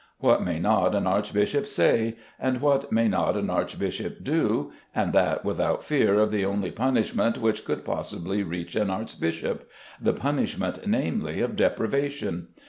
What may not an archbishop say, and what may not an archbishop do, and that without fear of the only punishment which could possibly reach an archbishop, the punishment, namely, of deprivation?